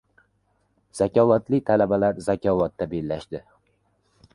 Zakovatli talabalar “Zakovat”da bellashdi